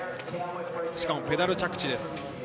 しかもペダル着地です。